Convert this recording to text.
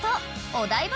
お台場